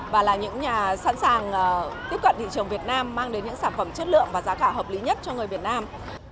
và là những nhà sẵn sàng tiếp cận thị trường việt nam mang đến những sản phẩm chất lượng và giá cả hợp lý nhất cho người việt nam